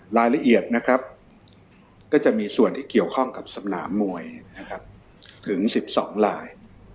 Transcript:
รายละเอียดนะครับก็จะมีส่วนที่เกี่ยวข้องกับสนามมวยนะครับถึง๑๒ลาย